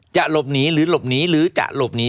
จะหลบหนีหรือหลบหนีหรือจะหลบหนี